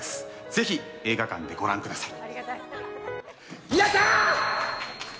是非、映画館でご覧ください。